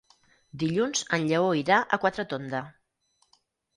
Dilluns en Lleó irà a Quatretonda.